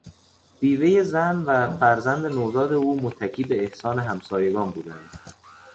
بیوه زن و فرزند نوزاد او متکی به احسان همسایگان بودند.